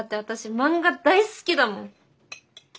漫画大好きだもん。